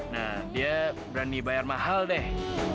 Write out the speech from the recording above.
nah dia berani bayar mahal deh